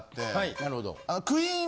なるほど。